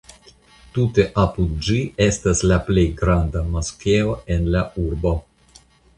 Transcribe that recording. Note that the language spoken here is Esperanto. Tute apud ĝi estas la plej granda moskeo en la urbo.